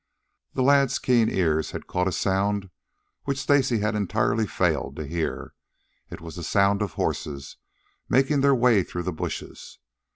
The lad's keen ears had caught a sound which Stacy had entirely failed to hear. It was the sound of horses making their way through the bushes.